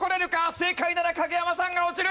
正解なら影山さんが落ちる！